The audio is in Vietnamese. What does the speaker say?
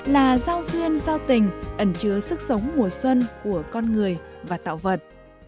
là giao duyên giao tình ẩn chứa sức sống mùa xuân của con người và tạo vật